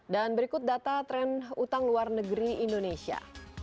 dan berikut data tren utang luar negeri indonesia